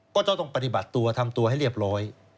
ก็จะต้องปฏิบัติตัวทำตัวให้เรียบร้อย